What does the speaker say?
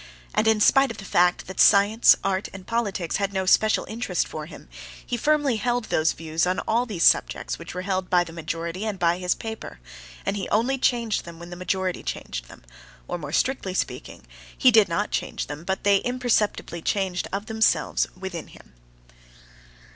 And in spite of the fact that science, art, and politics had no special interest for him, he firmly held those views on all these subjects which were held by the majority and by his paper, and he only changed them when the majority changed them—or, more strictly speaking, he did not change them, but they imperceptibly changed of themselves within him.